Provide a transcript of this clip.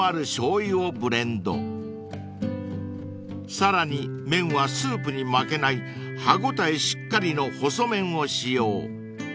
［さらに麺はスープに負けない歯応えしっかりの細麺を使用］